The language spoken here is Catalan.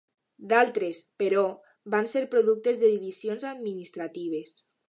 D'altres, però, van ser productes de divisions administratives.